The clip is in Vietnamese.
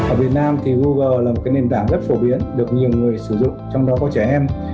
ở việt nam thì google là một nền tảng rất phổ biến được nhiều người sử dụng trong đó có trẻ em